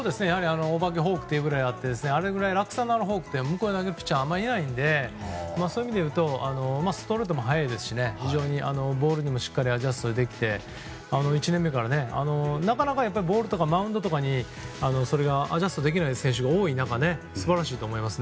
お化けフォークというぐらいあってあれぐらい落差のあるフォークを向こうで投げるピッチャーはあまりいないのでそういう意味で言うとストレートも速いですし非常にボールにもアジャストできて１年目から、なかなかボールとかマウンドとかにアジャストできない選手が多い中で素晴らしいと思います。